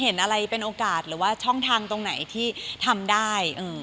เห็นอะไรเป็นโอกาสหรือว่าช่องทางตรงไหนที่ทำได้